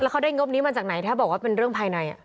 เขาได้งบนี้มาจากไหนถ้าบอกว่าเป็นเรื่องภายใน